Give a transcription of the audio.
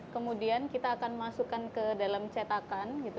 kemudian kita akan masukkan ke dalam cetakan